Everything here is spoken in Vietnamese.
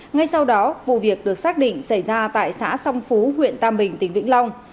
ngay sau đó vụ việc được xác định xảy ra tại xã song phú huyện tam bình tỉnh vĩnh long